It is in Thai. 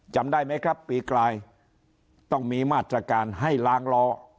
จำได้ไหมครับปีกลายต้องมีมาตรการให้ล้างล้อ